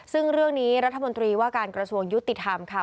ซึ่งเรื่องนี้รัฐมนตรีว่าการกระทรวงยุติธรรมค่ะ